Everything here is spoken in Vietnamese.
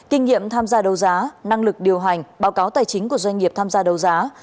kinh nghiệm tham gia đấu giá năng lực điều hành báo cáo tài chính của doanh nghiệp tham gia đấu giá